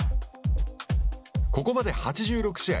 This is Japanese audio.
ここまで８６試合